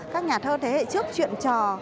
các nhà thơ thế hệ trước truyện trò